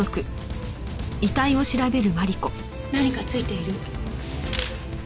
何かついている。